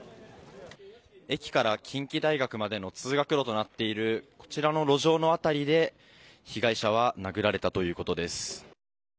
駅から近畿大学までの通学路となっているこちらの路上の辺りで被害者は殴られたということです。